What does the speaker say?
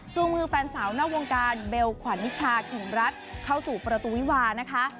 มือแฟนสาวนอกวงการเบลขวัญนิชากิ่งรัฐเข้าสู่ประตูวิวานะคะ